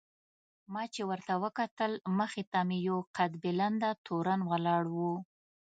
ما چې ورته وکتل مخې ته مې یو قد بلنده تورن ولاړ و.